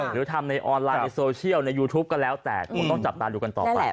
หรือทำในออนไลน์ในโซเชียลในยูทูปก็แล้วแต่คงต้องจับตาดูกันต่อไป